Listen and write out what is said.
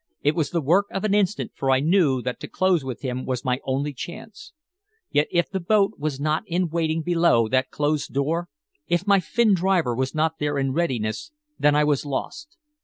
It was the work of an instant, for I knew that to close with him was my only chance. Yet if the boat was not in waiting below that closed door? If my Finn driver was not there in readiness, then I was lost.